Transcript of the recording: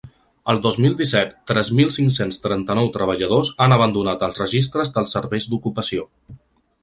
El dos mil disset, tres mil cinc-cents trenta-nou treballadors han abandonat els registres dels serveis d’ocupació.